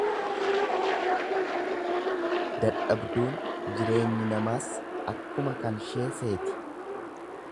Dadhabduun Jireenyi namaas akkuma kanshee seeti.